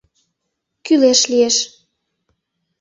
— Кӱлеш лиеш.